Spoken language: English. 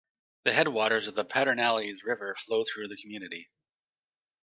The headwaters of the Pedernales River flow through the community.